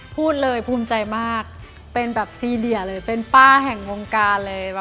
พูดเลยภูมิใจมากเป็นแบบซีเดียเลยเป็นป้าแห่งวงการเลย